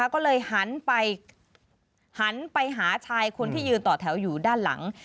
ก็เลยหันไปหันไปหาชายคนที่ยืนต่อแถวอยู่ด้านหลัง